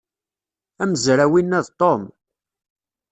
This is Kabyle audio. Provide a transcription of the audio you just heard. Amezraw-inna d Tom.